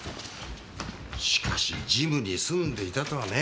しかしジムに住んでいたとはね。